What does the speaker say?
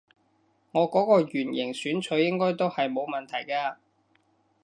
我嗰個圓形選取應該都係冇問題嘅啊